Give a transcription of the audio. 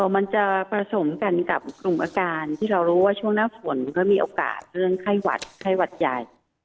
มันจะผสมกันกับกลุ่มอาการที่เรารู้ว่าช่วงหน้าฝนก็มีโอกาสเรื่องไข้หวัดไข้หวัดใหญ่